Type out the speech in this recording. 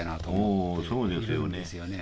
おそうですよね。